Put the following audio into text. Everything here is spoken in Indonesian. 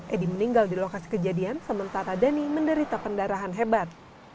edi meninggal di lokasi kejadian sementara dhani menderita pendarahan hebat